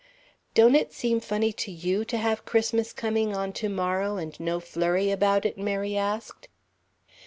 "Don't it seem funny to you to have Christmas coming on to morrow and no flurry about it?" Mary asked.